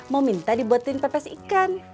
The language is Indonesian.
mau minta dibuatin pepes ikan